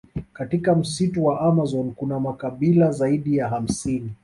Katika msitu wa amazon kuna makabila zaidi ya hamsini